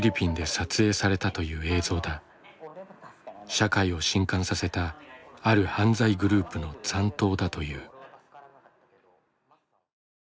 社会を震撼させたある犯罪グループの残党だという。